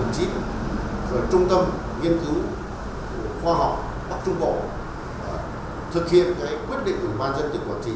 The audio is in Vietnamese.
trung tâm nghiên cứu khoa học bắc trung bộ thực hiện quyết định của ủy ban nhân dân tự quản trị